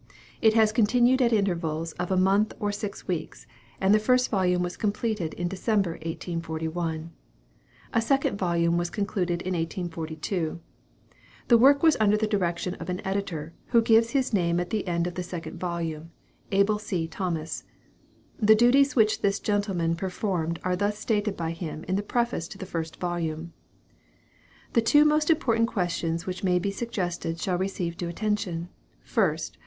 It has continued at intervals of a month or six weeks, and the first volume was completed in December, 1841. A second volume was concluded in 1842. The work was under the direction of an editor, who gives his name at the end of the second volume, Abel C. Thomas. The duties which this gentleman performed are thus stated by him in the preface to the first volume: "The two most important questions which may be suggested shall receive due attention. "1st.